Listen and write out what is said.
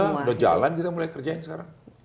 udah udah jalan kita mulai kerjain sekarang